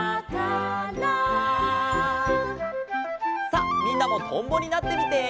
さっみんなもとんぼになってみて。